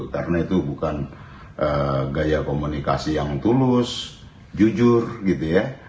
karena itu bukan gaya komunikasi yang tulus jujur gitu ya